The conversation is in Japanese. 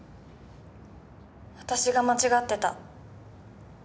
私が間違ってた。